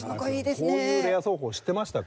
こういうレア奏法知ってましたか？